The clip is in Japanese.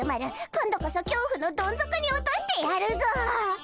今度こそ恐怖のどん底に落としてやるぞ！